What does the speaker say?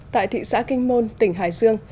tại thị xã kinh môn tỉnh hải dương